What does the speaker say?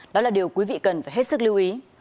đó là điều quý vị cần phải hết sức lưu ý